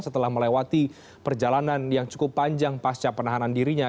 setelah melewati perjalanan yang cukup panjang pasca penahanan dirinya